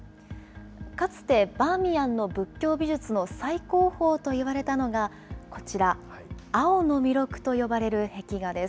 かつて、バーミヤンの仏教美術の最高峰といわれたのが、こちら、青の弥勒と呼ばれる壁画です。